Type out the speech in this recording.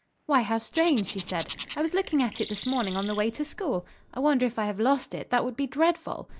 "Why, how strange," she said. "I was looking at it this morning on the way to school. I wonder if I have lost it. That would be dreadful."